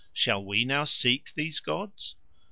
Shall we now seek these gods?"